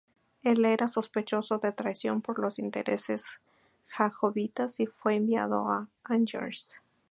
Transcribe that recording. Él era sospechoso de traición por los intereses Jacobitas, y fue enviado a Angers.